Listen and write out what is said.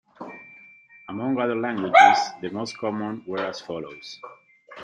Among other languages, the most common were as follows.